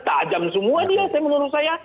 tajam semua dia sih menurut saya